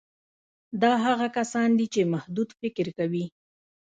دا هغه کسان دي چې محدود فکر کوي